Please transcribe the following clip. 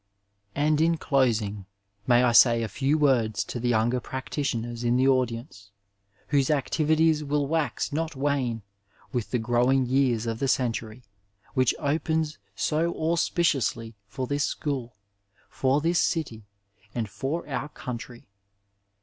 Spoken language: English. And in closing, may I say a few words to the younger practitioners in the audience whose activities will wax not wane with the growing years of the century which opens so auspiciously for this school, for this city, and for our coun try.